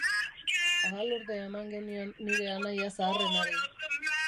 Ahalordea eman genion nire anaia zaharrenari.